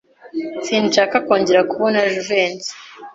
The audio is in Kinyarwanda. Sinshaka kongera kubona Jivency.